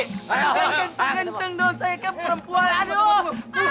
kenceng dong saya kan perempuan aduh